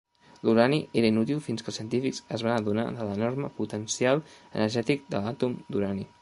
L'urani era inútil fins que els científics es van adonar de l'enorme potencial energètic de l'àtom d'urani.